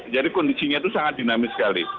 jadi kondisinya itu sangat dinamis sekali